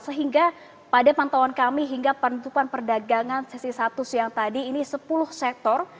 sehingga pada pantauan kami hingga penutupan perdagangan sesi satu siang tadi ini sepuluh sektor